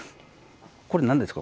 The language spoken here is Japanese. これ何ですか？